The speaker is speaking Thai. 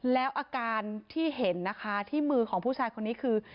แล้วอาการที่เห็นนะคะที่มือของผู้ชายคนนี้คือ